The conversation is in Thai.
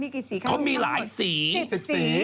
เขามีหลายสี๑๐สี